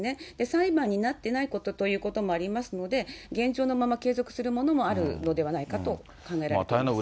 裁判になってないことということもありますので、現状のまま継続するものもあるのではないかと考えられています。